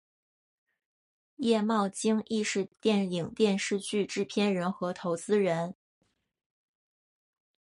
叶茂菁亦是电影电视剧制片人和投资人。